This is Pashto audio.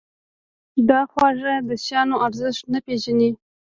د خواږه شیانو ارزښت نه پېژني.